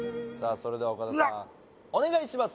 それでは岡田さんお願いします